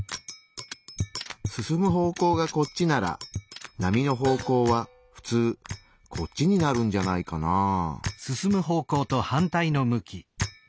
進む方向がこっちなら波の方向はふつうこっちになるんじゃないかなぁ。